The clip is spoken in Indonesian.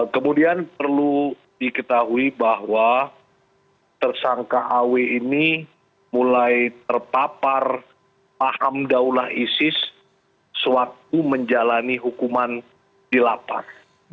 kemudian perlu diketahui bahwa tersangka aw ini mulai terpapar paham daulah isis sewaktu menjalani hukuman di lapas